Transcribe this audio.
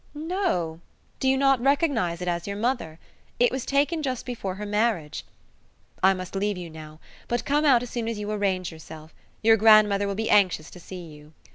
"No. Do you not recognize it as your mother? It was taken just before her marriage. I must leave you now, but come out as soon as you arrange yourself your grandmother will be anxious to see you."